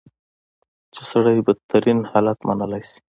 چې سړی بدترین حالت منلی شي.